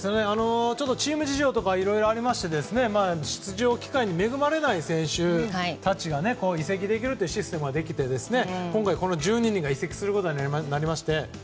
チーム事情とかいろいろありまして出場機会に恵まれない選手たちが移籍できるというシステムができて今回、この１２人が移籍することになりました。